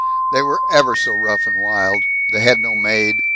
They were ever so rough and wild. They had no maid.